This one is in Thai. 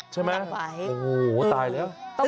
ใช่ไหมโอ้โหตายแล้ว